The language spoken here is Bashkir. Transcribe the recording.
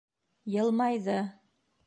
Йылмайҙы.